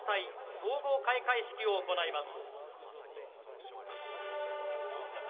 総合開会式を行います。